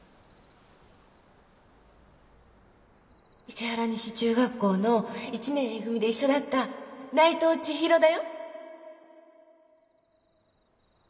伊勢原西中学校の１年 Ａ 組で一緒だった内藤ちひろだよ